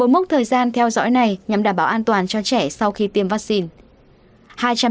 một mốc thời gian theo dõi này nhằm đảm bảo an toàn cho trẻ sau khi tiêm vaccine